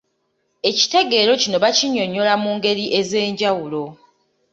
Ekitegeero kino bakinnyonnyola mu ngeri ez’enjawulo.